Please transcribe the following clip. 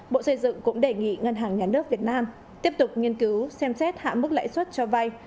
bộ xây dựng cũng đề nghị ngân hàng nhà nước việt nam tiếp tục nghiên cứu xem xét hạ mức lãi suất cho vay